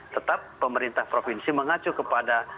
tetap pemerintah provinsi mengacu kepada